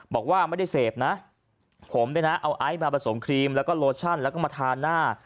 บอกว่าไม่ได้เสพนะผมเนี่ยนะเอาไอซ์มาผสมครีมแล้วก็โลชั่นแล้วก็มาทานหน้า